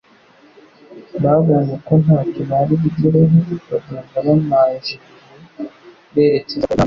Babonye ko ntacyo bari bugereho, bagenda bamarijiriwe berekeza ku nyanja.